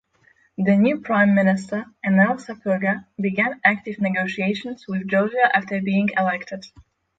The new prime minister Enele Sopoaga began active negotiations with Georgia after being elected.